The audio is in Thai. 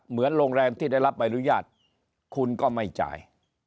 เหมือนโรงแรมที่ได้รับใบอนุญาตคุณก็ไม่จ่าย